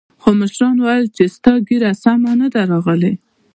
خو مشرانو ويل چې ستا ږيره سمه نه ده راغلې.